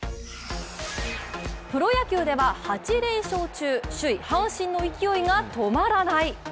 プロ野球では８連勝中、首位・阪神の勢いが止まらない。